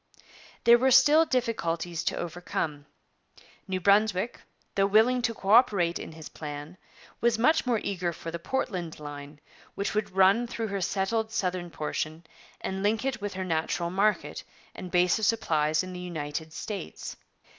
' There were still difficulties to overcome. New Brunswick, though willing to co operate in his plan, was much more eager for the Portland line, which would run through her settled southern portion and link it with her natural market and base of supplies in the United States.